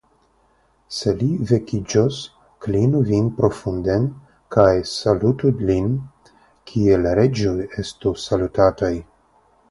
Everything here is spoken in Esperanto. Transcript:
Se li vekiĝos, klinu vin profunden, kaj salutu lin, kiel reĝoj estu salutataj!